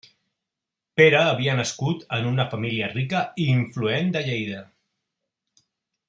Pere havia nascut en una família rica i influent de Lleida.